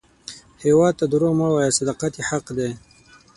هیواد ته دروغ مه وایه، صداقت یې حق دی